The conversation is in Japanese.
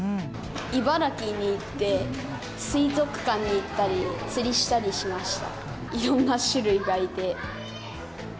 茨城に行って水族館に行ったり釣りしたりしました。